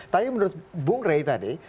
tapi menurut bung rey tadi